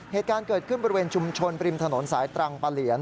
เหตุการณ์เกิดขึ้นบริเวณชุมชนปริมถนนสายตรังปะเหลียน